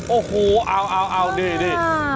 โอ้โฮเอานี่นี่